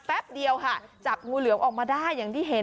แป๊บเดียวจับงู้เหลื่อมออกมาได้อย่างที่เห็น